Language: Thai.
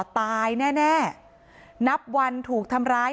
ตายแน่นับวันถูกทำร้าย